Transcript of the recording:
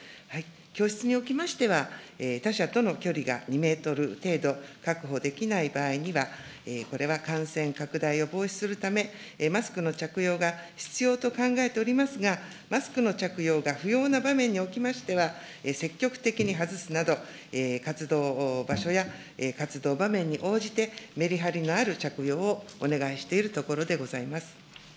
教室におきましては、他者との距離が２メートル程度確保できない場合には、これは感染拡大を防止するため、マスクの着用が必要と考えておりますが、マスクの着用が不要な場面におきましては、積極的に外すなど、活動場所や活動場面に応じて、メリハリのある着用をお願いしているところでございます。